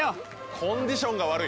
コンディションが悪い。